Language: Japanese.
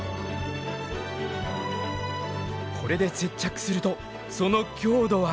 これで接着するとその強度は。